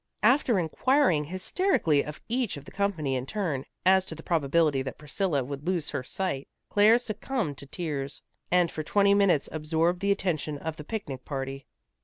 After inquiring hysterically of each of the company in turn, as to the probability that Priscilla would lose her sight, Claire succumbed to tears, and for twenty minutes absorbed the attention of the picnic party.